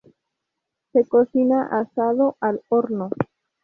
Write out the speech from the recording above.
Se cocina asado al horno.